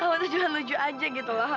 kamu tuh cuma lucu aja gitu loh